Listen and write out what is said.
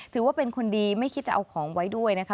ถือว่าเป็นคนดีไม่คิดจะเอาของไว้ด้วยนะคะ